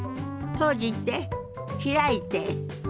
閉じて開いて。